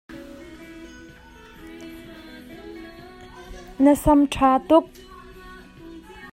Ka ra lai na ti i na ra fawn lo.